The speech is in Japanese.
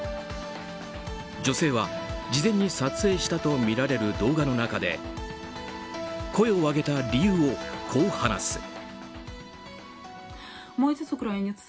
女性は、事前に撮影したとみられる動画の中で声を上げた理由をこう話す。